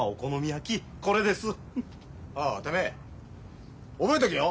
おうてめえ覚えとけよ。